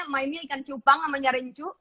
mainnya ikan cupang sama nyari cucu